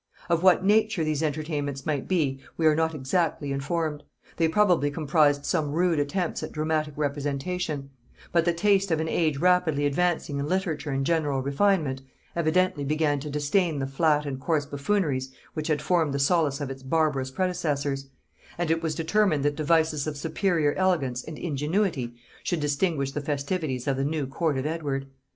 Of what nature these entertainments might be we are not exactly informed; they probably comprised some rude attempts at dramatic representation: but the taste of an age rapidly advancing in literature and general refinement, evidently began to disdain the flat and coarse buffooneries which had formed the solace of its barbarous predecessors; and it was determined that devices of superior elegance and ingenuity should distinguish the festivities of the new court of Edward.